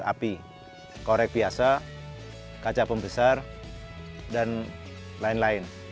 api korek biasa kaca pembesar dan lain lain